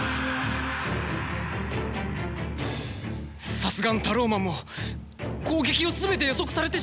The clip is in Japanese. さすがのタローマンも攻撃を全て予測されてしまっては。